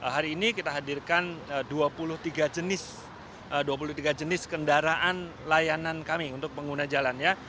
hari ini kita hadirkan dua puluh tiga jenis kendaraan layanan kami untuk pengguna jalan